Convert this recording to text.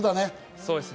そうですね。